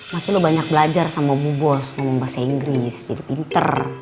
masih lo banyak belajar sama bu bos ngomong bahasa inggris jadi pinter